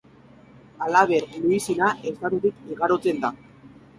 Halaber Luisiana estatutik igarotzen da.